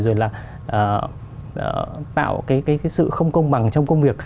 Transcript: rồi là tạo cái sự không công bằng trong công việc